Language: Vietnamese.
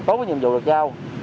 tốt với nhiệm vụ được giao